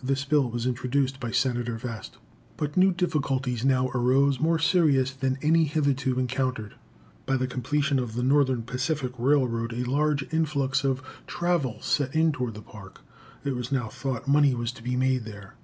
This bill was introduced by Senator Vest. But new difficulties now arose, more serious than any hitherto encountered. By the completion of the Northern Pacific Railroad a large influx of travel set in toward the Park. It was now thought money was to be made there.